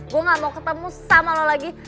gue gak mau ketemu sama lo lagi